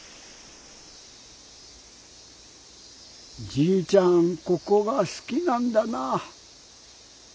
じいちゃんここがすきなんだな。